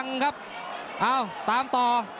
โอ้โหโอ้โหโอ้โห